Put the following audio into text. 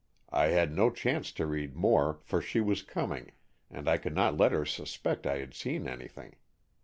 I had no chance to read more, for she was coming, and I could not let her suspect I had seen anything.